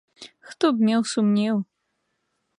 Хто б меў сумнеў.